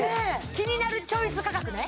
キニナルチョイス価格ね？